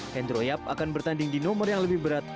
hendro yap akan bertanding di nomor yang lebih berat